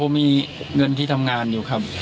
มีเงินที่ทำงานอยู่ครับ